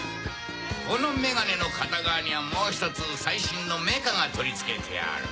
このメガネの片側にはもう１つ最新のメカが取り付けてある。